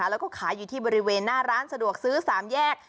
แล้วก็ขายอยู่ที่บริเวณหน้าร้านสะดวกซื้อ๓แยก